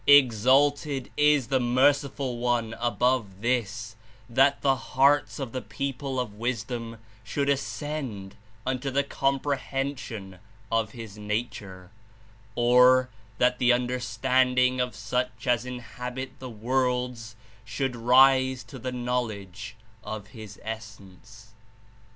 Exalted is the Merciful One above this — that the hearts of the people of wisdom should ascend unto the comprehension of His Nature, or that the under standing of such as inhabit the worlds should rise to the knowledge of His Essence.